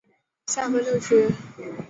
下分六区。